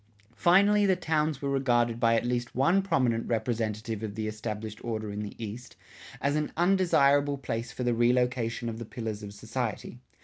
Finally the towns were regarded by at least one prominent representative of the established order in the East, as an undesirable place for the re location of the pillars of society.